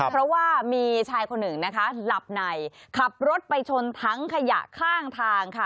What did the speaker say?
เพราะว่ามีชายคนหนึ่งนะคะหลับในขับรถไปชนทั้งขยะข้างทางค่ะ